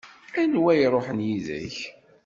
Anwa i iṛuḥen yid-k?